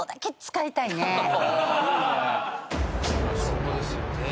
そこですよね。